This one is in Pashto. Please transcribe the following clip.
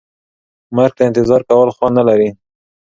مرګ ته انتظار کول خوند نه لري.